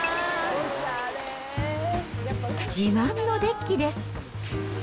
自慢のデッキです。